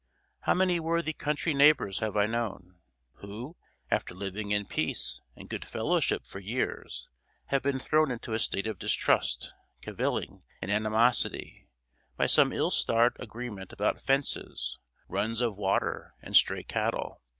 How many worthy country neighbors have I known, who, after living in peace and good fellowship for years, have been thrown into a state of distrust, caviling, and animosity, by some ill starred agreement about fences, runs of water, and stray cattle!